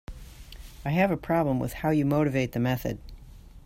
I have a problem with how you motivate the method.